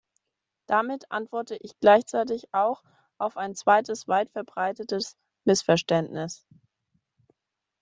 Damit antworte ich gleichzeitig auch auf ein zweites weitverbreitetes Missverständnis.